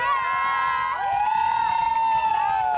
เย้